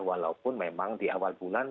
walaupun memang di awal bulan